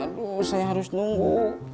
aduh saya harus nunggu